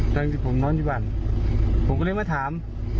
ตอนที่ผมนอนที่บ้านผมก็เลยมาถาม